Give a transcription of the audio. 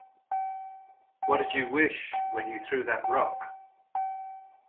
What'd you wish when you threw that rock?